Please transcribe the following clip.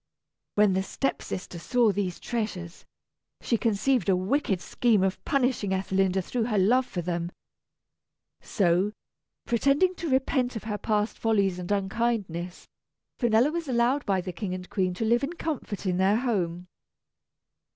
_] When the step sister saw these treasures, she conceived a wicked scheme of punishing Ethelinda through her love for them. So, pretending to repent of her past follies and unkindness, Finella was allowed by the King and Queen to live in comfort in their home.